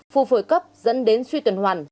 phù phổi cấp dẫn đến suy tuần hoàn